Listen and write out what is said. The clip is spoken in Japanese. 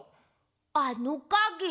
あのかげ？